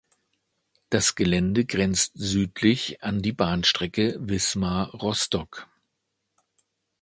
Das Gelände grenzt südlich an die Bahnstrecke Wismar–Rostock.